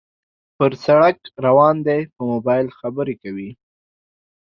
پر سړک روان دى په موبایل خبرې کوي